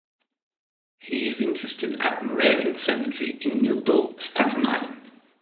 He is interred at Moravian Cemetery in New Dorp, Staten Island.